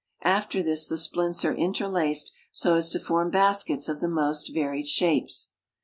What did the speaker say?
After this the splints are interlaced so as to form baskets of the most varied shapes.